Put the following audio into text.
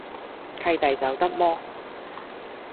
契弟走得摩